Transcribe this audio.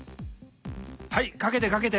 はいかけてかけて。